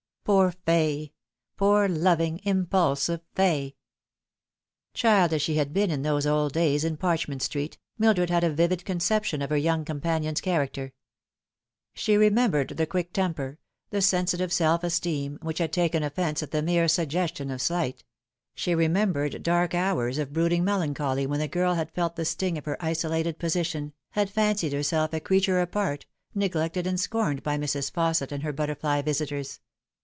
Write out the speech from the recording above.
Poor Fay ! poor, loving, impulsive Fay ! Child as she had been in those old days in Parchment Street, Mildred had a vivid conception of her young companion's character. She remembered the quick temper, the sensitive self esteem, which had taken offence at the mere suggestion of slight ; she remembered dark hours of brooding melancholy when the girl had felt the sting of her isolated position, had fancied herself a creature apart, neglected and scorned by Mrs. Fausset and her butterfly visitors.